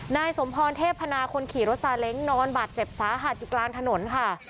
นายสมพรเทพนาคนขี่รถซาเล้งนอนบาดเจ็บสาหัสอยู่กลางถนนค่ะ